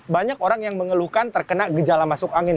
banyak orang yang mengeluhkan terkena gejala masuk angin